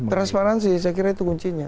transparansi saya kira itu kuncinya